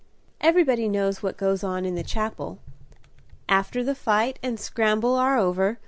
Everybody knows what goes on in the Chapel, after the fight and scramble are over.